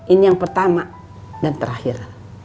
ini yang pertama dan terakhir